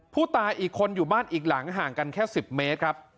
ผู้ตายอีกคนอยู่บ้านอีกหลังห่างกันแค่๑๐เมตรครับ